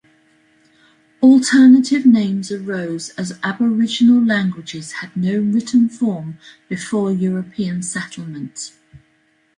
Alternative names arose as Aboriginal languages had no written form before European settlement.